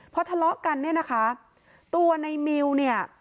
พอทะเลาะกันเนี่ยนะคะตัวในมิวเนี่ย